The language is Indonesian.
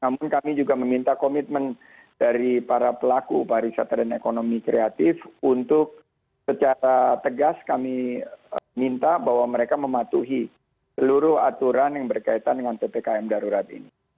namun kami juga meminta komitmen dari para pelaku pariwisata dan ekonomi kreatif untuk secara tegas kami minta bahwa mereka mematuhi seluruh aturan yang berkaitan dengan ppkm darurat ini